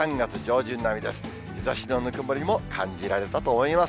日ざしのぬくもりも感じられたと思います。